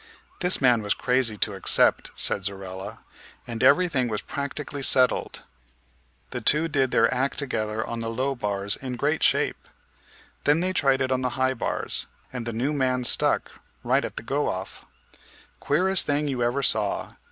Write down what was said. "This man was crazy to accept," said Zorella, "and everything was practically settled. The two did their act together on the low bars in great shape. Then they tried it on the high bars, and the new man stuck right at the go off. Queerest thing you ever saw.